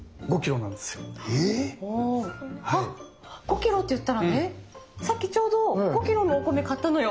えっ⁉あっ５キロっていったらねさっきちょうど５キロのお米買ったのよ。